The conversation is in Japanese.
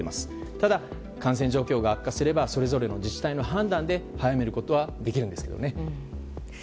ただ感染状況が悪化すればそれぞれの自治体の判断で早めることはできるんですけどね。